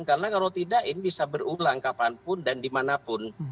karena kalau tidak ini bisa berulang kapanpun dan dimanapun